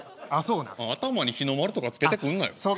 頭に日の丸とかつけてくんなや。